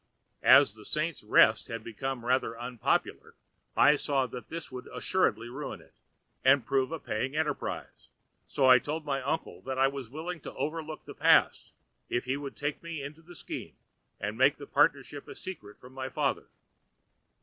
As 'The Saints' Rest' had become rather unpopular, I saw that this would assuredly ruin it and prove a paying enterprise, so I told my uncle that I was willing to overlook the past if he would take me into the scheme and keep the partnership a secret from my father.